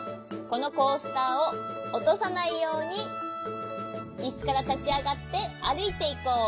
このコースターをおとさないようにいすからたちあがってあるいていこう。